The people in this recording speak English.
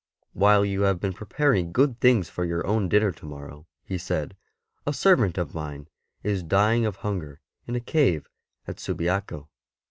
''While you have been preparing good things for your own dinner to morrow/' He said, " a servant of Mine is dying of hunger in a cave at Subiaco.''